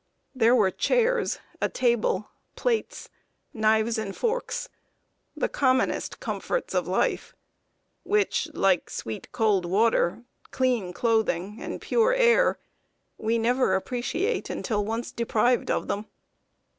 There were chairs, a table, plates, knives, and forks the commonest comforts of life, which, like sweet cold water, clean clothing, and pure air, we never appreciate until once deprived of them.